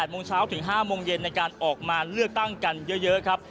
โมงเช้าถึง๕โมงเย็นในการออกมาเลือกตั้งกันเยอะครับ